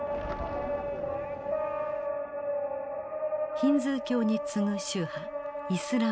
ヒンズー教に次ぐ宗派イスラム教。